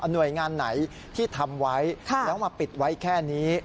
หน่วยงานไหนที่ทำไว้แล้วมาปิดไว้แค่นี้